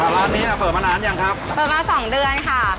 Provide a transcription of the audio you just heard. ค่ะร้านนี้เฝิดมานานอย่างครับเฝิดมา๒เดือนค่ะ